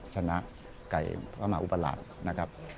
ชนะไก่พระมหาอุปราชนะครับ